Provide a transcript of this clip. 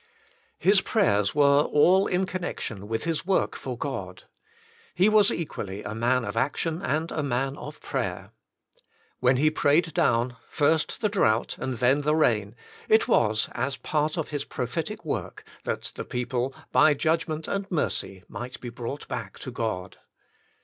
'' His prayers were all in connection with his work for God. He was equally a man of action and a man of prayer. When he prayed down, first the drought and then the rain, it was, as part of his prophetic work, that the people, by judgment and mercy, might be brought back to God.